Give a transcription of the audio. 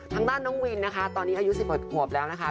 ทางด้านน้องวินนะคะตอนนี้อายุ๑๖ขวบแล้วนะคะ